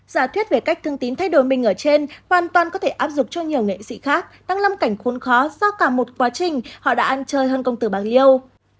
giả thuyết về cách thương tín thay đổi mình ở trên hoàn toàn có thể áp dụng cho nhiều nghệ sĩ khác đang lâm cảnh khuôn khó do cả một quá trình họ đã ăn chơi hơn công tử bạc liêu